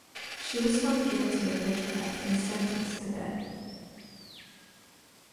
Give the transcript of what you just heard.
She was found guilty of witchcraft and sentenced to death.